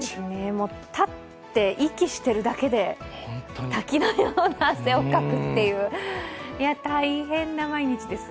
立って、息しているだけで滝のような汗をかくっていう大変な毎日です。